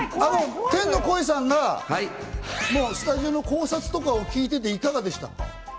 天の声さんがスタジオの考察とかを聞いていていかがでしたか？